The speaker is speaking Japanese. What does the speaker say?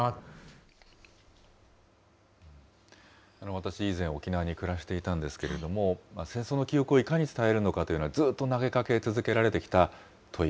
私以前、沖縄に暮らしていたんですけれども、戦争の記憶をいかに伝えるのかというのは、ずっと投げかけ続けられてきた問い。